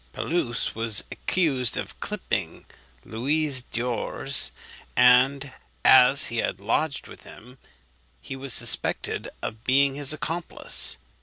Pelouse was accused of clipping Louis d'ors; and as he had lodged with him, he was suspected of being his accomplice.